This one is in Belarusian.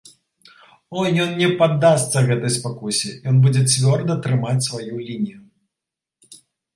О, ён не паддасца гэтай спакусе, ён будзе цвёрда трымаць сваю лінію!